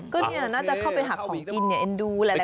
ก็เนี่ยน่าจะเข้าไปหาของกินเนี่ยเอ็นดูแหละ